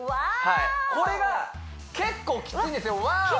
これが結構きついんですよワーオ！